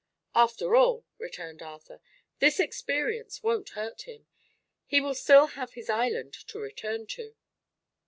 "After all," returned Arthur, "this experience won't hurt him. He will still have his island to return to."